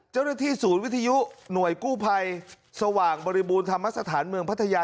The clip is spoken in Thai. เจ้าหน้าที่ศูนย์วิทยุหน่วยกู้ภัยสว่างบริบูรณธรรมสถานเมืองพัทยา